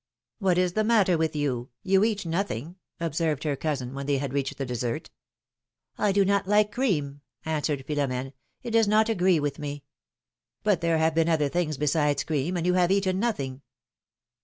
^^What is the matter with you? You eat nothing!" observed her cousin, when they had reached the dessert. do not like cream," answered Philomene; '^it does not agree with me." But there have been other things besides cream, and you have eaten nothing